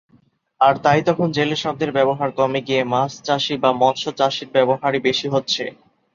আর তাই এখন জেলে শব্দের ব্যবহার কমে গিয়ে ‘মাছ চাষী’ বা ‘মৎস্য চাষী’র ব্যবহার-ই বেশি হচ্ছে।